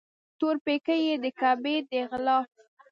تور پیکی یې د کعبې د غلاف